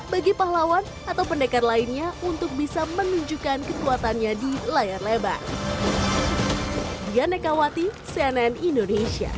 bagi pahlawan atau pendekar lainnya untuk bisa menunjukkan kekuatannya di layar lebar